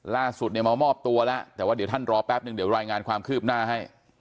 ล่าสุดเนี่ยมามอบตัวแล้วแต่ว่าเดี๋ยวท่านรอแป๊บนึงเดี๋ยวรายงานความคืบหน้าให้